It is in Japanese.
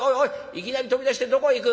いきなり飛び出してどこへ行く？」。